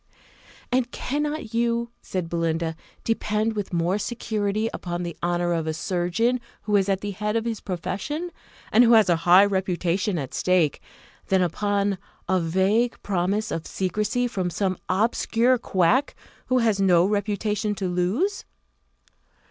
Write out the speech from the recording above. "And cannot you," said Belinda, "depend with more security upon the honour of a surgeon who is at the head of his profession, and who has a high reputation at stake, than upon a vague promise of secrecy from some obscure quack, who has no reputation to lose?"